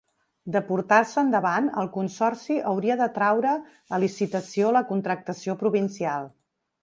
De portar-se endavant, el consorci hauria de traure a licitació la contractació provincial.